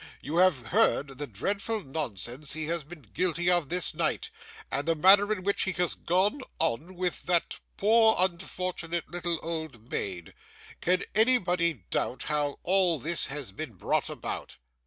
You have heard the dreadful nonsense he has been guilty of this night, and the manner in which he has gone on with that poor unfortunate little old maid. Can anybody doubt how all this has been brought about?